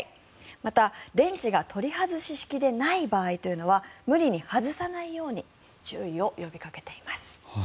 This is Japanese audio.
また、電池が取り外し式でない場合というのは無理に外さないように注意を呼びかけています。